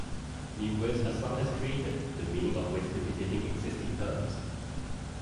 New words are sometimes created, the meaning of which duplicating existing terms.